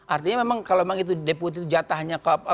artinya memang kalau memang itu deputi jatahnya ke